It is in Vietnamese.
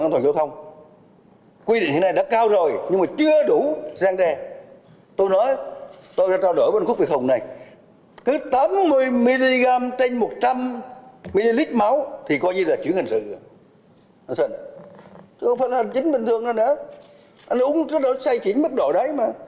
anh sơn chứ không phải là hành chính bình thường đâu đó anh ấy uống cái đó xây chính mức độ đấy mà